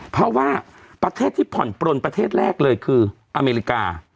เพราะว่าประเทศที่ผ่อนปลนประเทศแรกเลยคืออเมริกา